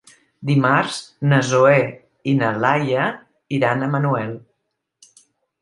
Dimarts na Zoè i na Laia iran a Manuel.